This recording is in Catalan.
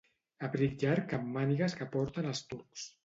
Abric llarg amb mànigues que porten els turcs.